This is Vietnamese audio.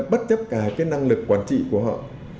bất chấp cả cái năng lực quản trị của họ